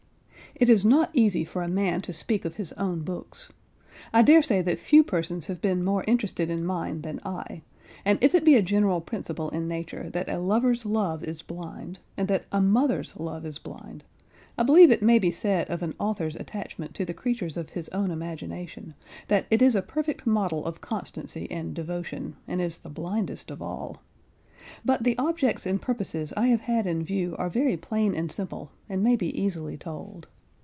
It is not easy for a man to speak of his own books. I daresay that few persons have been more interested in mine than I, and if it be a general principle in nature that a lover's love is blind, and that a mother's love is blind, I believe it may be said of an author's attachment to the creatures of his own imagination, that it is a perfect model of constancy and devotion, and is the blindest of all. But the objects and purposes I have had in view are very plain and simple, and may be easily told.